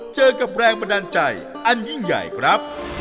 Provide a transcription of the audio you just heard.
เจอกับแรงบันดาลใจอันยิ่งใหญ่ครับ